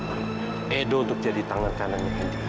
saya ingin mencari edo untuk jadi tangan kanannya